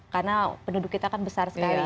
karena penduduk kita kan besar sekali